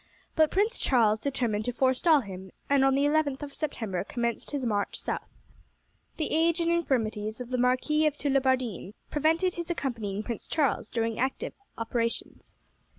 But Prince Charles determined to forestall him, and on the 11th of September commenced his march south. The age and infirmities of the Marquis of Tullibardine prevented his accompanying Prince Charles during active operations.